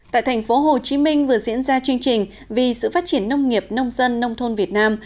tại thành phố hồ chí minh vừa diễn ra chương trình vì sự phát triển nông nghiệp nông dân nông thôn việt nam